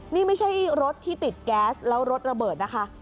นี่ไม่ใช่รถที่ติดแก๊สแล้วรถระเบิดนะคะ